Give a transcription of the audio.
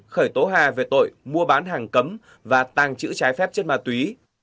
khởi tố hà về tội mua bán hàng cấm và tàng trữ trái phép chất ma túy